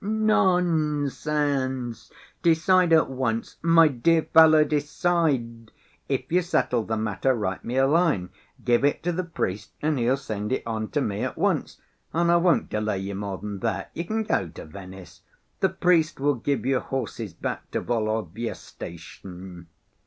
"Nonsense! Decide at once. My dear fellow, decide! If you settle the matter, write me a line; give it to the priest and he'll send it on to me at once. And I won't delay you more than that. You can go to Venice. The priest will give you horses back to Volovya station."